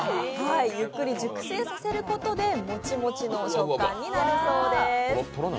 ゆっくり熟成させることでもちもちの食感になるそうです。